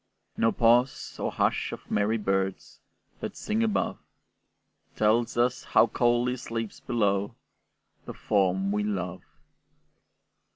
No pause or hush of merry birds, That sing above, Tells us how coldly sleeps below The form we love.